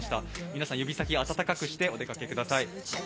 皆さん指先、温かくしてお出かけください。